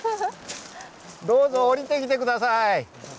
どうぞ下りてきて下さい！